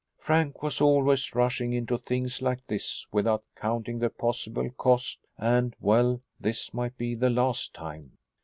Frank was always rushing into things like this without counting the possible cost and well this might be the last time.